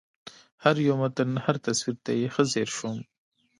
هر یو متن هر تصویر ته یې ښه ځېر شوم